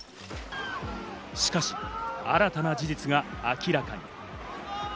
しかし、新たな事実が明らかに。